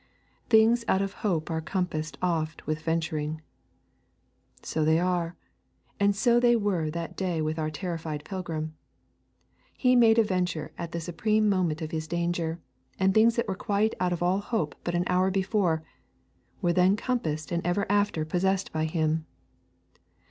'Things out of hope are compassed oft with venturing.' So they are; and so they were that day with our terrified pilgrim. He made a venture at the supreme moment of his danger, and things that were quite out of all hope but an hour before were then compassed and ever after possessed by him.